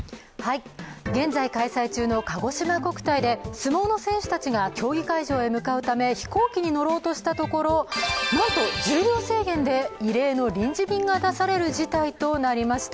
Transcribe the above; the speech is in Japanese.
現在開催中のかごしま国体で相撲の選手たちが競技会場へ向かうため飛行機に乗ろうとしたところ、なんと重量制限で異例の臨時便が出される事態となりました。